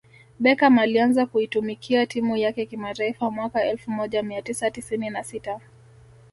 Beckam alianza kuitumikia timu yake kimataifa mwaka elfu moja mia tisa tisini na sita